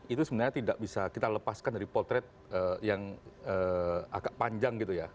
itu sebenarnya tidak bisa kita lepaskan dari potret yang agak panjang gitu ya